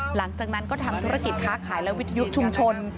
หลังจากนั้นก็ทำธุรกิจค้าขายและวิทยุชุมชน